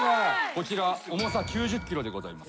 こちら重さ９０ｋｇでございます。